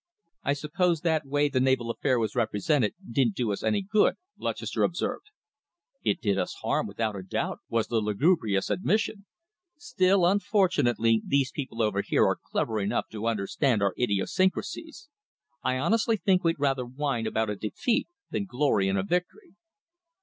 "I suppose the way that naval affair was represented didn't do us any good," Lutchester observed. "It did us harm, without a doubt," was the lugubrious admission. "Still, fortunately, these people over here are clever enough to understand our idiosyncrasies. I honestly think we'd rather whine about a defeat than glory in a victory."